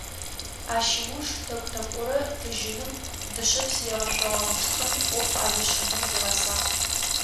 Ащ ыуж тӀэкӀу-тӀэкӀузэ тыжьыным, дышъэпс егъэшъогъэ гъучӀхэм Ӏоф адишӀэнэу зигъэсагъ.